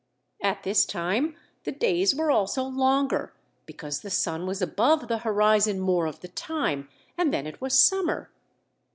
At this time, the days were also longer, because the sun was above the horizon more of the time, and then it was summer.